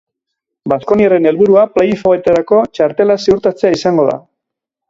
Baskoniarren helburua playoffetarako txartela ziurtatzea izango da.